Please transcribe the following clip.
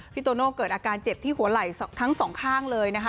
โตโน่เกิดอาการเจ็บที่หัวไหล่ทั้งสองข้างเลยนะคะ